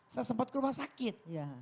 saya sempat ke rumah sakit